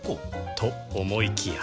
と思いきや